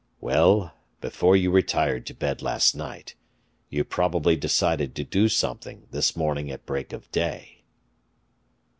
"Well, before you retired to bed last night, you probably decided to do something this morning at break of day."